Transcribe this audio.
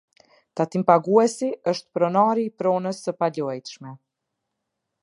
Tatimpaguesi është pronari i pronës së paluajtshme.